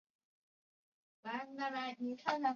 何况是主簿呢？